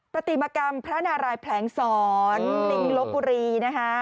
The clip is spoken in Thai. ประติมากรรมพระนารายย์แผลงสอนลิงลบบุรีนะคะ